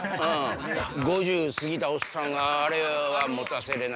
５０過ぎたオッサンがあれは持たせれない。